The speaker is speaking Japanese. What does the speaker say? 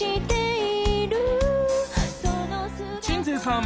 鎮西さん